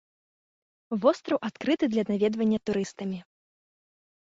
Востраў адкрыты для наведвання турыстамі.